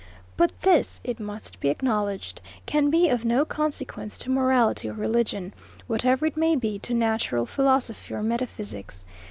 But this, it must be acknowledged, can be of no consequence to morality or religion, whatever it may be to natural philosophy or metaphysics.